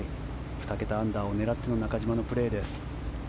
２桁アンダーを狙っての中島のプレーです。